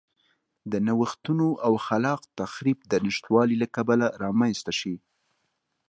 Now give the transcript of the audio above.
د نوښتونو او خلاق تخریب د نشتوالي له کبله رامنځته شي.